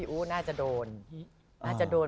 อู๋น่าจะโดน